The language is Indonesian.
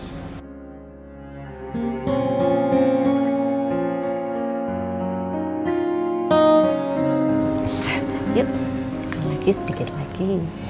yuk kalau lagi sedikit lagi